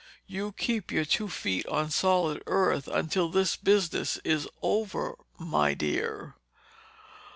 You keep your two feet on solid earth until this business is over, my dear."